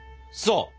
そう！